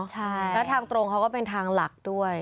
แล้วทางตรงเขาก็เป็นทางหลักด้วย